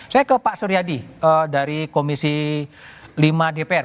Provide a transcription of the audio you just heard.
saya ke pak suryadi dari komisi lima dpr